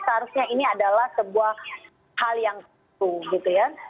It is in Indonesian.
seharusnya ini adalah sebuah hal yang gitu ya